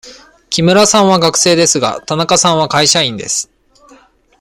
木村さんは学生ですが、田中さんは会社員です。